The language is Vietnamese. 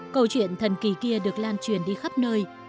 câu chuyện thần kỳ kia được lan truyền đi khắp nơi